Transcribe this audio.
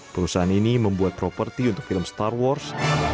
perusahaan ini membuat properti untuk film star wars